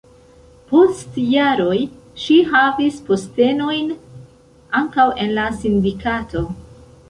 Post jaroj ŝi havis postenojn ankaŭ en la sindikato.